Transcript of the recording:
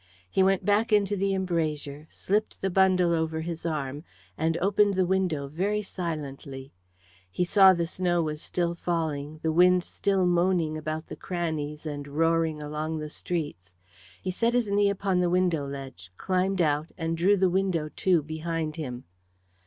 He went back into the embrasure, slipped the bundle over his arm, and opened the window very silently. He saw the snow was still falling, the wind still moaning about the crannies and roaring along the streets. He set his knee upon the window ledge, climbed out, and drew the window to behind him.